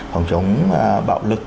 phòng chống bạo lực